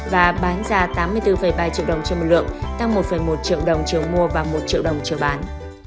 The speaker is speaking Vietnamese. và bán giá tám mươi bốn ba triệu đồng chiều mùa lượng tăng một một triệu đồng chiều mua và một triệu đồng chiều bán